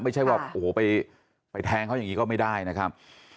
ไม่ใช่ว่าโอ้โหไปแทงเขาอย่างนี้ก็ไม่ได้นะครับ